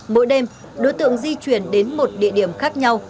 mỗi đêm đối tượng di chuyển đến một địa điểm khác nhau